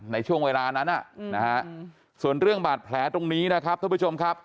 ในช่วงเวลานั้นส่วนเรื่องบาดแผลตรงนี้นะครับท่านผู้ชมครับ